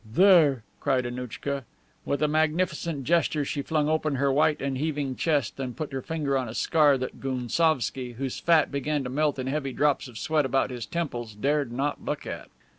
"There!" cried Annouchka. With a magnificent gesture she flung open her white and heaving chest, and put her finger on a scar that Gounsovski, whose fat began to melt in heavy drops of sweat about his temples, dared not look at.